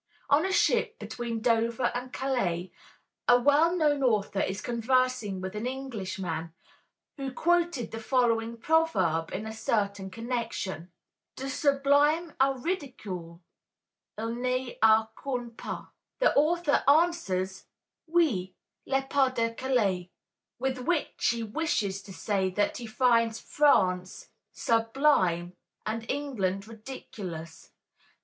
On a ship between Dover and Calais a well known author is conversing with an Englishman, who quoted the following proverb in a certain connection: "Du sublime au ridicule, il n'y a qu'un pas." The author answers, "Oui, le pas de Calais," with which he wishes to say that he finds France sublime and England ridiculous.